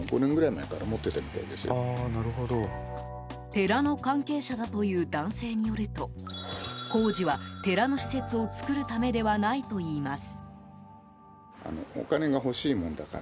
寺の関係者だという男性によると工事は、寺の施設を造るためではないといいます。